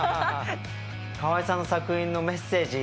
河合さんの作品のメッセージ